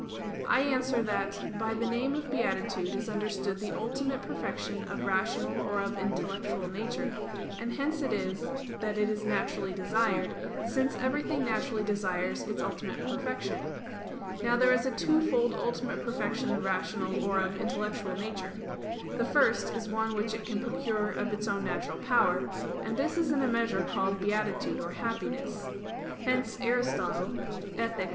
I answer that, By the name of beatitude is understood the ultimate perfection of rational or of intellectual nature; and hence it is that it is naturally desired, since everything naturally desires its ultimate perfection. Now there is a twofold ultimate perfection of rational or of intellectual nature. The first is one which it can procure of its own natural power; and this is in a measure called beatitude or happiness. Hence Aristotle (Ethic.